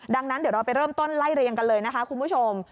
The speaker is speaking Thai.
ดังนั้นเดี๋ยวเราไปเริ่มต้นไล่เรียงกันเลยนะคะคุณผู้ชม